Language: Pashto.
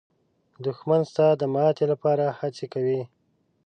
دښمن ستا د ماتې لپاره هڅې کوي